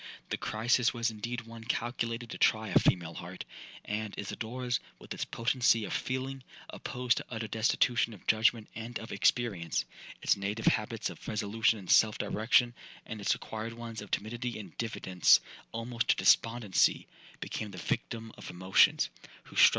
'The crisis was indeed one calculated to try a female heart; and Isidora's, with its potency of feeling, opposed to utter destitution of judgment and of experience,—its native habits of resolution and self direction, and its acquired ones of timidity and diffidence almost to despondency,—became the victim of emotions, whose struggle seemed at first to threaten her reason.